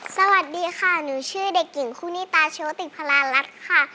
สวัสดีค่ะหนูชื่อเด็กหญิงคู่นิตาโชติพลารัฐค่ะ